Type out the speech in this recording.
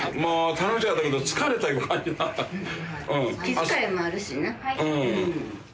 気疲れもあるしな。